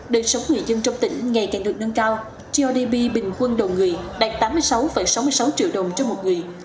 đời sống người dân trong tỉnh ngày càng được nâng cao grdp bình quân đầu người đạt tám mươi sáu sáu mươi sáu triệu đồng cho một người